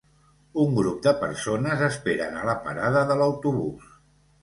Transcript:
Un grup de persones esperen a la parada de l'autobús.